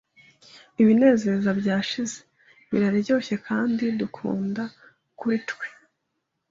Ibinezeza byashize biraryoshye kandi dukunda kuri twe